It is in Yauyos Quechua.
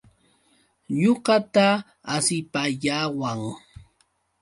Ñuqata asipayawan.